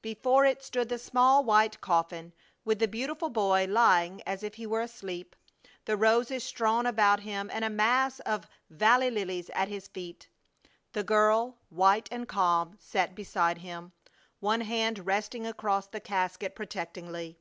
Before it stood the small white coffin, with the beautiful boy lying as if he were asleep, the roses strewn about him, and a mass of valley lilies at his feet. The girl, white and calm, sat beside him, one hand resting across the casket protectingly.